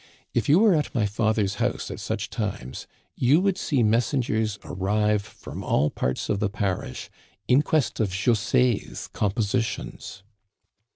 If you were at my father's house at such times, you would see messengers arrive from all parts of the parish in quest of Jose's compositions."